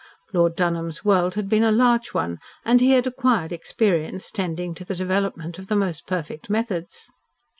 Lord Dunholm's world had been a large one, and he had acquired experience tending to the development of the most perfect methods.